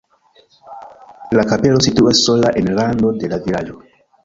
La kapelo situas sola en rando de la vilaĝo.